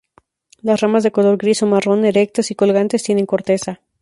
Las ramas de color gris o marrón, erectas y colgantes tienen corteza.